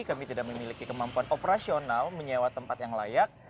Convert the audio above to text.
kami tidak memiliki kemampuan operasional menyewa tempat yang layak